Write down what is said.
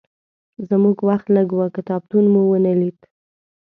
زموږ وخت لږ و، کتابتون مو ونه لید.